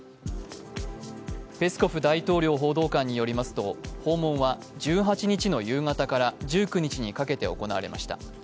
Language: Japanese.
ペスコフ大統領報道官によりますと、訪問は１８日の夕方から１９日にかけて行われました。